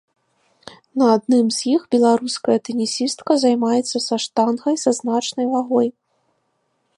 На адным з іх беларускай тэнісістка займаецца са штангай са значнай вагой.